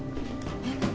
えっ。